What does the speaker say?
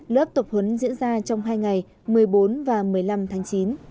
lớp tập huấn diễn ra trong hai ngày một mươi bốn và một mươi năm tháng chín